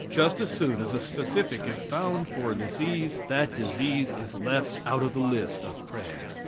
Just as soon as a specific is found for a disease, that disease is left out of the list of prayer.